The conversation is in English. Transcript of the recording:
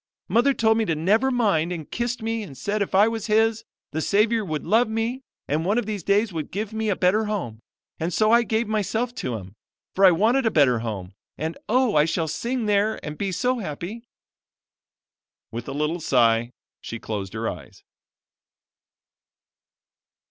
Mother told me to never mind and kissed me and said if I was His, the Savior would love me and one of these days would give me a better home, and so I gave myself to Him, for I wanted a better home. And, oh, I shall sing there and be so happy!" With a little sigh she closed her eyes.